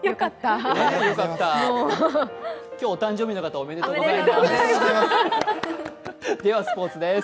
今日お誕生日の方、おめでとうございまーす。